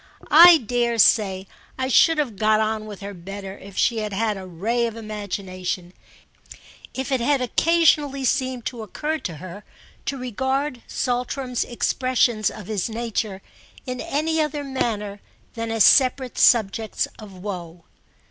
I dare say I should have got on with her better if she had had a ray of imagination—if it had occasionally seemed to occur to her to regard Saltram's expressions of his nature in any other manner than as separate subjects of woe.